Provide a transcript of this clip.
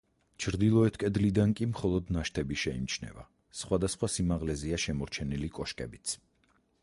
ჩრდილოეთ კედლიდან კი, მხოლოდ ნაშთები შეიმჩნევა, სხვადასხვა სიმაღლეზეა შემორჩენილი კოშკებიც.